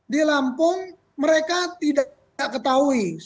di lampung mereka tidak ketahui